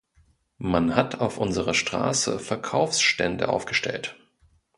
Man hat auf unserer Straße Verkaufsstände aufgestellt.